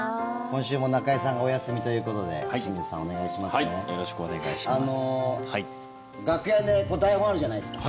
今週も中居さんがお休みということでよろしくお願いします。